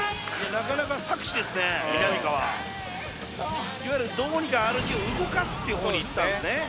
なかなか策士ですねみなみかわどうにかＲＧを動かすっていうほうにいったんですね